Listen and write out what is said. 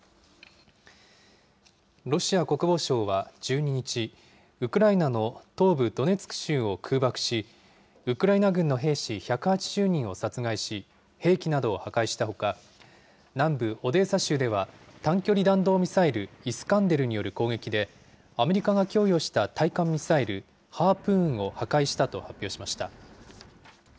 ロシア国防省は１２日、ウクライナの東部ドネツク州を空爆し、ウクライナ軍の兵士１８０人を殺害し、兵器などを破壊したほか、南部オデーサ州では、短距離弾道ミサイル、イスカンデルによる攻撃で、アメリカが供与した対艦ミサイル、ハープーンを破壊したと発表しました。